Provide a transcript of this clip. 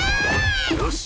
よし。